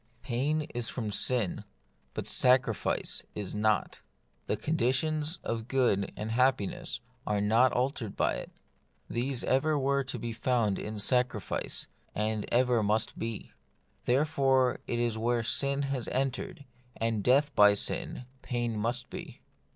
Pain is from sin, but sacrifice is not. The conditions of good and of happiness are not altered by it. These ever were to be found in sacrifice, and ever must be. Therefore it is that where sin has entered, and death by sin, pain must be.